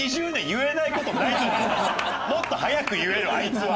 もっと早く言えるあいつは。